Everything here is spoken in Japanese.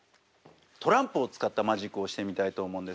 トランプを使ったマジックをしてみたいと思うんですけども。